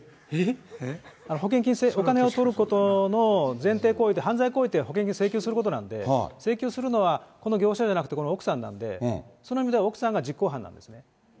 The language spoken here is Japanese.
保険金、お金をとることの前提行為で犯罪行為って、保険金請求することなんで、請求するのはこの業者じゃなくてこの奥さんなんで、その意味では奥さんが実行犯なんですね。